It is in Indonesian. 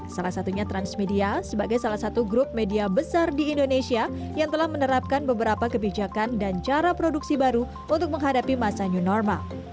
salah satunya transmedia sebagai salah satu grup media besar di indonesia yang telah menerapkan beberapa kebijakan dan cara produksi baru untuk menghadapi masa new normal